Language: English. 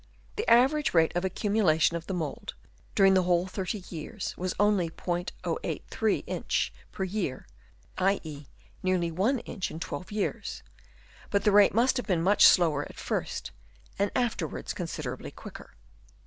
The average rate of accumulation of the mould during the whole thirty years was only *083 inch per year (i.e., nearly one inch in twelve years) ; but the rate must have been much slower at first, and after wards considerably quicker.